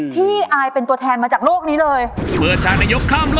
อายเป็นตัวแทนมาจากโลกนี้เลย